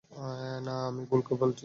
নাকি আমি ভুল বলছি?